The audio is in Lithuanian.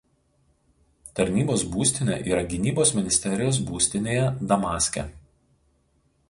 Tarnybos būstinė yra Gynybos ministerijos būstinėje Damaske.